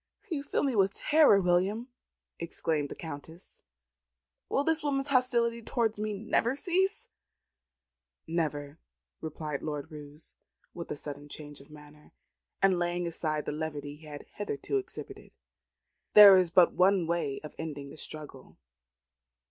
"You fill me with terror, William," exclaimed the Countess. "Will this woman's hostility towards me never cease?" "Never," replied Lord Roos, with a sudden change of manner, and laying aside the levity he had hitherto exhibited. "There is but one way of ending the struggle.